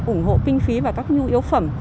ủng hộ kinh phí và các nhu yếu phẩm